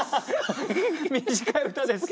短い歌ですけど。